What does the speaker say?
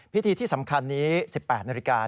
พิธีที่สำคัญนี้๑๘น